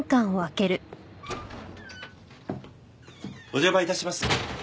お邪魔致します。